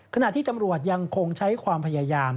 ขณะที่ตำรวจยังคงใช้ความพยายาม